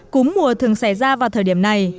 cúm mùa thường xảy ra vào thời điểm này